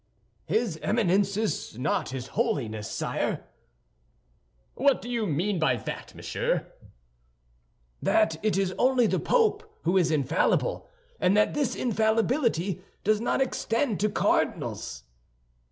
"His Eminence is not his holiness, sire." "What do you mean by that, monsieur?" "That it is only the Pope who is infallible, and that this infallibility does not extend to cardinals."